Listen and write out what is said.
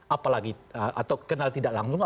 apalagi atau kenal tidak langsung